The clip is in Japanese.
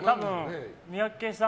三宅さん